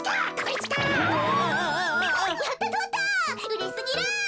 うれしすぎる！